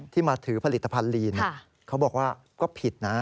ที่มาถือผลิตภัณฑลีนเขาบอกว่าก็ผิดนะ